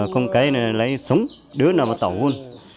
không lấy súng đứa nào mà tảo hôn